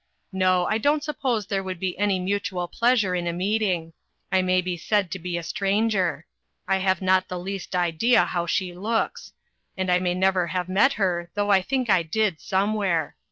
No, I don't suppose there would be any mutual 374 INTERRUPTED. pleasure in a meeting. I may be said to be a stranger. I have not the least idea how she looks ; and I may never have met her, though I think I did somewhere.